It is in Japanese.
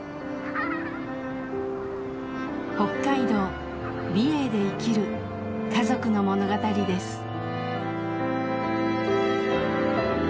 北海道・美瑛で生きる家族の物語です。